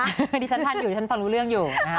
พี่ก็อดที่ฉันทันอยู่ฉันฟังรู้เรื่องอยู่